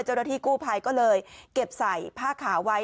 เจ้าหน้าที่กู้ภัยก็เลยเก็บใส่ผ้าขาวไว้